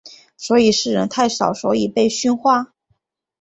所以是人太少所以被训话？